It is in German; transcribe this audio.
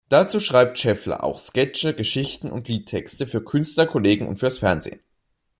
Dazu schreibt Scheffler auch Sketche, Geschichten und Liedtexte für Künstlerkollegen und fürs Fernsehen.